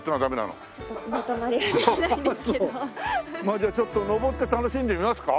じゃあちょっと上って楽しんでみますか？